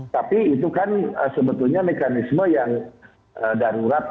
tapi itu kan sebetulnya mekanisme yang darurat